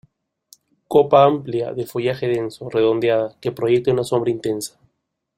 Copa amplia, de follaje denso, redondeada, que proyecta una sombra intensa.